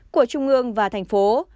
của trung ương và thành phố